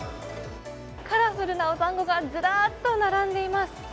カラフルなおだんごがずらっと並んでいます。